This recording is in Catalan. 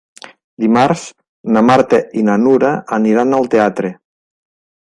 Dimarts na Marta i na Nura aniran al teatre.